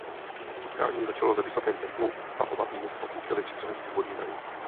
Utkání začalo ve vysokém tempu a oba týmy se pokoušely vstřelit úvodní branku.